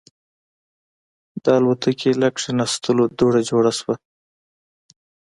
د الوتکې له کېناستو دوړه جوړه شوه.